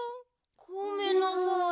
ごめんなさい。